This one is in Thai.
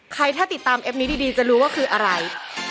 ถ้าติดตามเอฟนี้ดีจะรู้ว่าคืออะไร